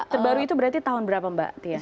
terbaru itu berarti tahun berapa mbak tia